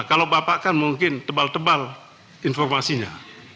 kalau bapak kan mungkin tebal tebal informasinya